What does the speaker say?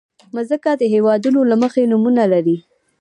مځکه د هېوادونو له مخې نومونه لري.